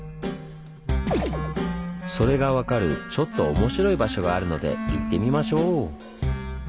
それが分かるちょっと面白い場所があるので行ってみましょう！